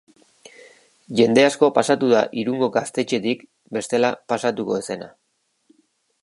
Jende asko pasatu da Irungo gaztetxetik bestela pasatuko ez zena.